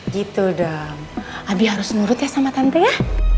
gitu dong abi harus nurut ya sama tante ya